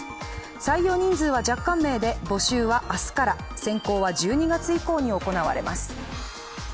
採用人数は若干名で、募集は明日から、選考は１２月以降に行われます。